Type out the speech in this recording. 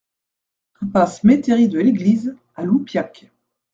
Impasse Métairie de l'Eglise à Loupiac